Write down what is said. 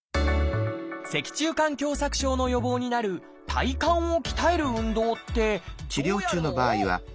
脊柱管狭窄症の予防になる体幹を鍛える運動ってどうやるの？